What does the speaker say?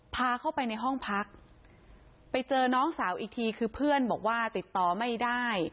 พาเข้าไปในห้องพักไปเจอน้องสาวอีกทีคือเพื่อนบอกว่าติดต่อไม่ได้